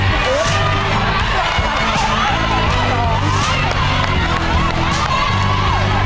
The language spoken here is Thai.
จะทำเวลาไหมครับเนี่ย